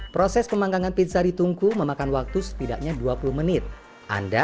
proses pemanggangan pizza di tungku memakan waktu setidaknya dua puluh menit anda